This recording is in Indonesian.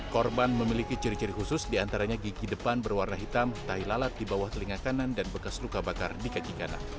korban memiliki ciri ciri khusus diantaranya gigi depan berwarna hitam tahi lalat di bawah telinga kanan dan bekas luka bakar di kaki kanan